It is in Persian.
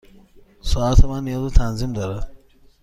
ساعت من نیاز به تنظیم دارد.